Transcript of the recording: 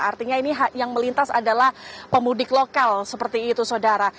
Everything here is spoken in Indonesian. artinya ini yang melintas adalah pemudik lokal seperti itu saudara